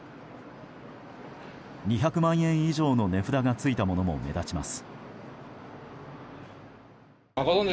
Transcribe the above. ２００万円以上の値札が付いたものも目立ちます。